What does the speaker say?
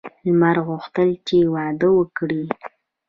لمر غوښتل چې واده وکړي.